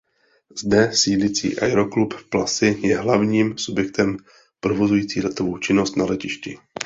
Zde sídlící Aeroklub Plasy je hlavním subjektem provozující letovou činnost na letišti.